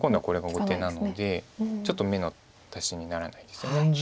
これが後手なのでちょっと眼の足しにならないですよね。